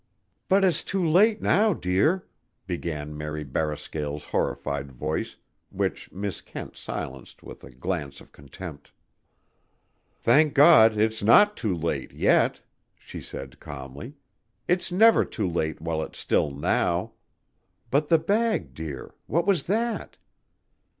"But it's too late now, dear!" began Mary Barrascale's horrified voice which Miss Kent silenced with a glance of contempt. "Thank God, it's not too late yet," she said calmly. "It's never too late while it's still now. But the bag, dear what was that?"